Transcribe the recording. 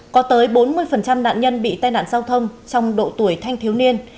có tới bốn mươi nạn nhân bị tai nạn giao thông trong độ tuổi thanh thiếu niên